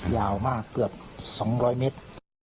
ยาวมากเกือบ๒๐๐เมตร